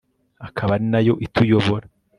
akaba ari na yo ituyobora